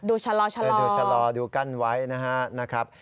ชะลอดูชะลอดูกั้นไว้นะครับ